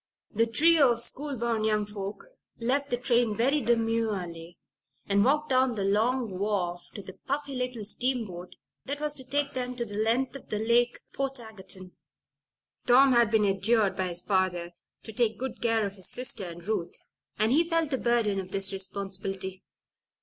The trio of school bound young folk left the train very demurely and walked down the long wharf to the puffy little steamboat that was to take them the length of the lake to Portageton. Tom had been adjured by his father to take good care of his sister and Ruth, and he felt the burden of this responsibility.